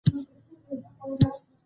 د اوبو صدقه ورکړئ.